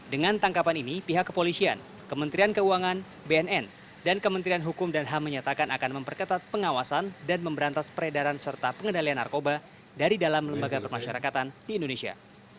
dengan tangkapan ini pihak kepolisian kementerian keuangan bnn dan kementerian hukum dan ham menyatakan akan memperketat pengawasan dan memberantas peredaran serta pengendalian narkoba dari dalam lembaga permasyarakatan di indonesia